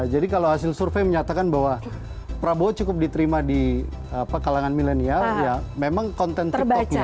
jadi kalau hasil survei menyatakan bahwa prabowo cukup diterima di kalangan milenial ya memang konten tiktoknya